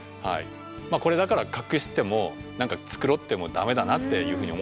これだから隠しても繕ってもダメだなっていうふうに思ったんですよね。